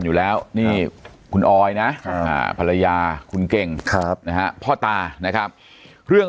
อยู่แล้วนี่คุณออยนะภรรยาคุณเก่งพ่อตานะครับเรื่อง